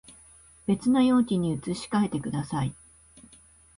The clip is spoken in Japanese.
別の容器に移し替えてください